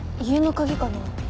家の鍵かな？